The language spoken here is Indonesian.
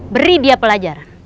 beri dia pelajaran